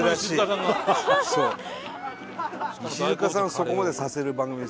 そこまでさせる番組。